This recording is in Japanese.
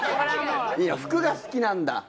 いや服が好きなんだ。